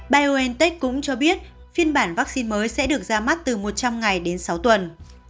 biontech cũng cho biết phiên bản vaccine mới sẽ được ra mắt từ một trăm linh ngày đến sáu tuần